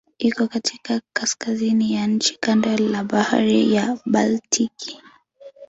Iko katika kaskazini ya nchi kando la Bahari ya Baltiki.